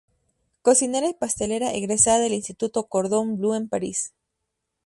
Cocinera y pastelera, egresada del instituto "Cordon Bleu", en París.